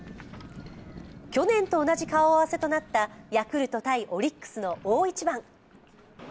去年と同じ顔合わせとなったヤクルト×オリックスの大一番。